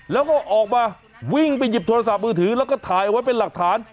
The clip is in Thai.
แล้วก็ออกมาวิ่งไปหยิบโทรศัพท์มือถือแล้วก็ถ่ายไว้เป็นหลักฐาน